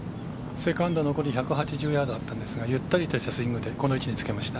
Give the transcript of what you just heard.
セカンド残り１８０ヤードだったんですがゆったりとしたスイングでこの位置につけました。